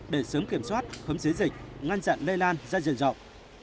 để sớm kiểm soát khấm xế dịch ngăn dặn lây lan ra dân dọc